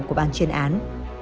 của ban chuyên án